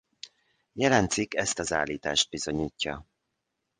Jelen cikk ezt az állítást bizonyítja.